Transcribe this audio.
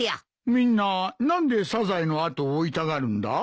みんな何でサザエの後を追いたがるんだ？